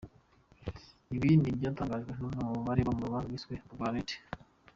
Ibi ni ibyatangajwe n’umwe mu baregwa mu rubanza rwiswe urwa Lt.